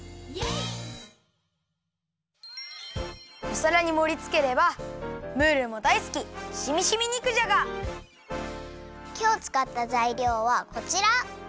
おさらにもりつければムールもだいすききょうつかったざいりょうはこちら。